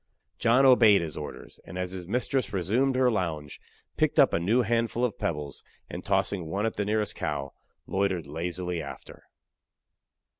John obeyed his orders; and, as his mistress resumed her lounge, picked up a new handful of pebbles, and tossing one at the nearest cow, loitered lazily after.